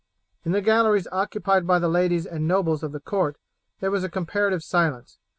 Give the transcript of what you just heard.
In the galleries occupied by the ladies and nobles of the court there was a comparative silence.